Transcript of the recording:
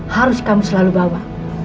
harus kamu selalu bawa